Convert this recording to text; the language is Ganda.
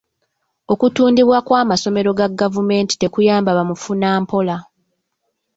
Okutundibwa kw'amasomero ga gavumenti tekuyamba bamufunampola.